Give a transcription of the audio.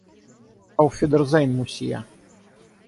Ауфидерзейн, мусье.